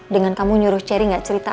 dengan kamu nyuruh chri gak cerita